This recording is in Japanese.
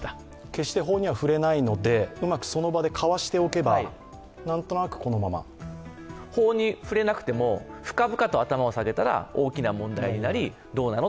決して法には触れないのでうまくその場でかわしておけば、法に触れなくても深々と頭を下げたら大きな問題になり、どうなの？